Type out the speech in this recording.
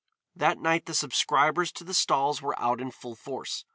That night the subscribers to the stalls were out in full force.